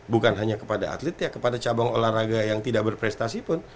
bukan hanya kepada atletnya kepada cabang olahraga yang tidak berprestasi pun